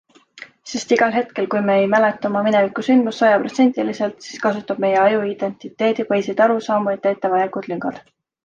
Sest igal hetkel kui me ei mäleta oma minevikusündmust sajaprotsendiliselt, siis kasutab meie aju identiteedipõhiseid arusaamu, et täita vajalikud lüngad.